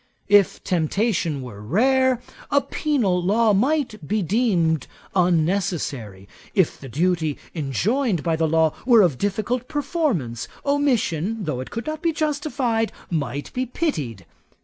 If temptation were rare, a penal law might be deemed unnecessary. If the duty enjoined by the law were of difficult performance, omission, though it could not be justified, might be pitied.